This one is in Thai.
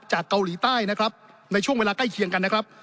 เกาหลีใต้นะครับในช่วงเวลาใกล้เคียงกันนะครับ